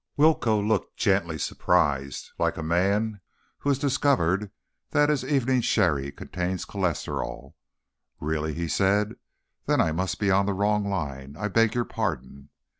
Willcoe looked gently surprised, like a man who has discovered that his evening sherry contains cholesterol. "Really?" he said. "Then I must be on the wrong line. I beg your pardon."